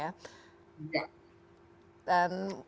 dan mungkin fadli ini supaya ada masukan juga ya kepada pemerintah